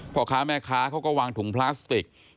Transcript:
พ่อค้าแม่ค้าเขาก็วางถุงพลาสติก